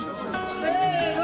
せの！